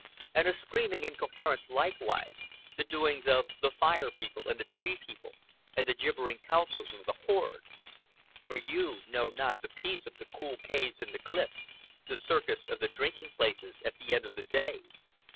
And a screaming incoherence, likewise, the doings of the Fire People and the Tree People, and the gibbering councils of the horde. For you know not the peace of the cool caves in the cliffs, the circus of the drinking places at the end of the day.